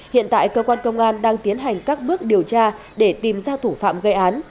hiện tại cơ quan công an đang tiến hành các bước điều tra để tìm ra thủ phạm gây án